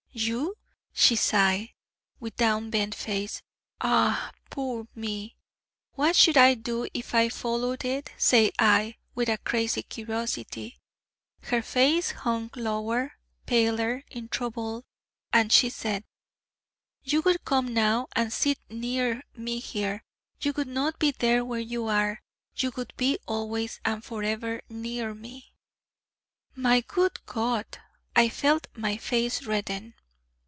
'You?' she sighed, with down bent face: 'ah, poor me!' 'What should I do if I followed it?' said I, with a crazy curiosity. Her face hung lower, paler, in trouble: and she said: 'You would come now and sit near me here. You would not be there where you are. You would be always and for ever near me....' My good God! I felt my face redden.